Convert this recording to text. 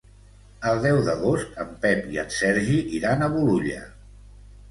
El deu d'agost en Pep i en Sergi iran a Bolulla.